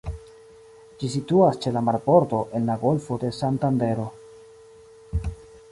Ĝi situas ĉe la marbordo en la Golfo de Santandero.